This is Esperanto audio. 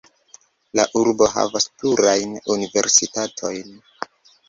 La urbo havas plurajn universitatojn.